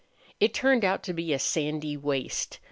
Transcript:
It turned out to be a sandy waste.